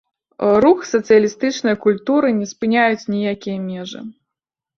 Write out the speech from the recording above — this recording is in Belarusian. Рух сацыялістычнай культуры не спыняюць ніякія межы.